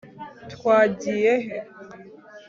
twagiye he